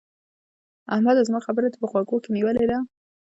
احمده! زما خبره دې په غوږو کې نيولې ده؟